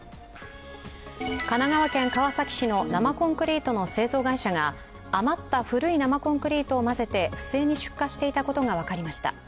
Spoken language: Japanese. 神奈川県川崎市の生コンクリートの製造会社が余った古い生コンクリートを混ぜて不正に出荷していたことが分かりました。